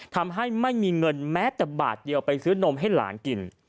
ทำให้ไม่มีเงินแม้แต่บาทเดียวไปซื้อนมให้หลานกิน